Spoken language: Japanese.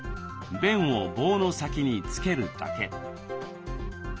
便を棒の先に付けるだけ。